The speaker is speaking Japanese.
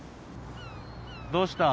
どうした？